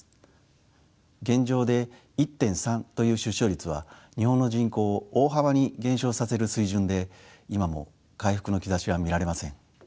現状で１．３という出生率は日本の人口を大幅に減少させる水準で今も回復の兆しは見られません。